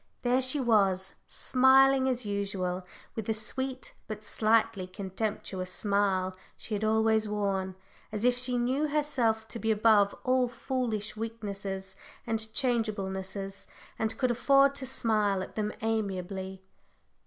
There she was, smiling as usual, with the sweet, but slightly contemptuous smile she had always worn as if she knew herself to be above all foolish weaknesses and changeablenesses, and could afford to smile at them amiably.